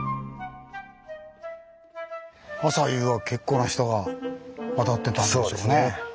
朝夕は結構な人が渡ってたんでしょうね。